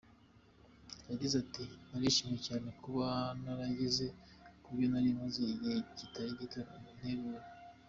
Yagize ati :« Narishimye cyane kuba narageze kubyo narimaze igihe kitari gito ntegura.